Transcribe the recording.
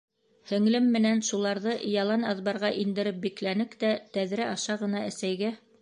Һеңлем менән шуларҙы ялан аҙбарға индереп бикләнек тә, тәҙрә аша ғына әсәйгә: